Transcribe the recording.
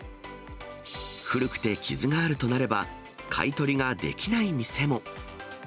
古くて傷があるとなれば、買い取りができない店も。